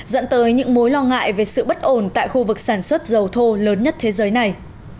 dẫn tới những mối lo ngại về sự bất ổn tại khu vực sản xuất dầu thô lớn nhất thế giới này